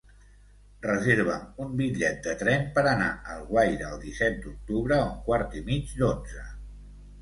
Reserva'm un bitllet de tren per anar a Alguaire el disset d'octubre a un quart i mig d'onze.